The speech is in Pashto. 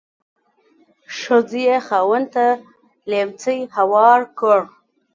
ښځې یې خاوند ته لیهمڅی هوار کړ.